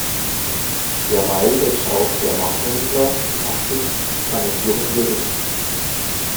Derweil durchschaut der Waffenhändler die Absichten seines jungen Juristen.